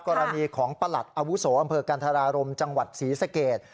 กรณีของประหลัดอาวุโสอำเภอกันธรารมจังหวัดศรีสเกต